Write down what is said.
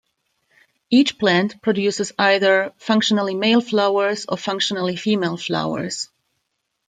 Each plant produces either functionally male flowers or functionally female flowers.